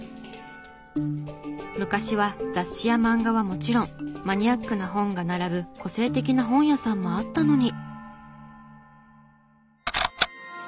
昔は雑誌や漫画はもちろんマニアックな本が並ぶ個性的な本屋さんもあったのに。